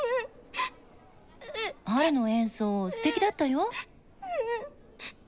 ハルの演奏すてきだったよ。